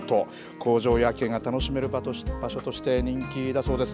工場夜景が楽しめる場所として人気だそうです。